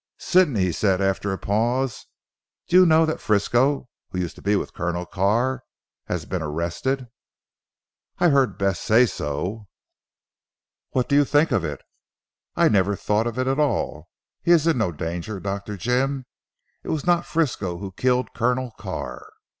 "Sidney," he said after a pause, "do you know that Frisco, who used to be with Colonel Carr, has been arrested?" "I heard Bess say so." "What do you think of it?" "I never thought of it at all. He is in no danger, Dr. Jim. It was not Frisco who killed Colonel Carr."